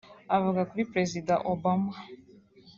Avuga kuri Perezida Obama